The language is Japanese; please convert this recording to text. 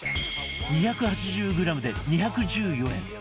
２８０グラムで２１４円